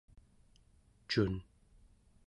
cun